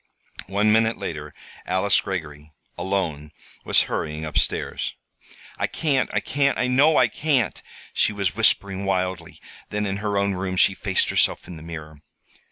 One minute later Alice Greggory, alone, was hurrying up stairs. "I can't I can't I know I can't," she was whispering wildly. Then, in her own room, she faced herself in the mirror.